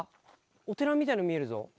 お寺みたいなの見えるぞ。